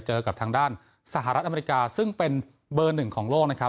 เจอกับทางด้านสหรัฐอเมริกาซึ่งเป็นเบอร์หนึ่งของโลกนะครับ